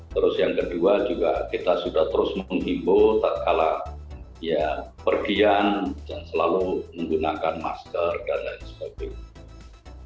terus yang kedua juga kita sudah terus menghimbau tak kalah ya pergian dan selalu menggunakan masker dan lain sebagainya